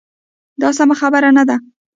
دا سمه خبره نه ده.